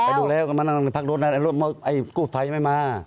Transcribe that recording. ไปดูแล้วกำลังมานั่งที่รถพักรถไอ้กู้ภัยไม่มา